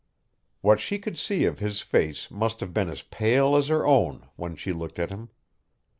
What she could see of his face must have been as pale as her own when she looked at him.